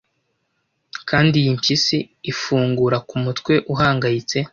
kandi iyi mpyisi ifungura kumutwe uhangayitse